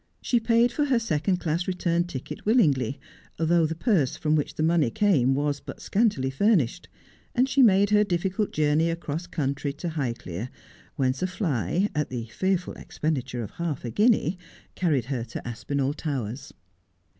She paid for her second class return ticket willingly, though the purse from which the money came was but scantily furnished, and she made her difficult journey across country to Highclere, whence a fly, at the fearful expenditure of half a guinea, carried her to Aspinall Towers.